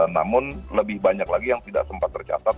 namun lebih banyak lagi yang tidak sempat tercatat